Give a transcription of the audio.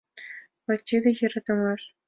Вот тиде йӧратымаш!